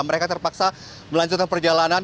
mereka terpaksa melanjutkan perjalanan